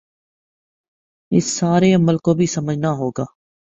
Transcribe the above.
اس سارے عمل کو بھی سمجھنا ہو گا